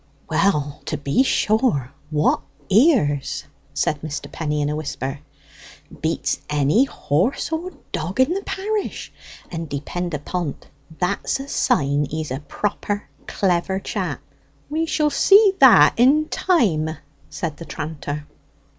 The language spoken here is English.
"Well to be sure, what ears!" said Mr. Penny in a whisper. "Beats any horse or dog in the parish, and depend upon't, that's a sign he's a proper clever chap." "We shall see that in time," said the tranter.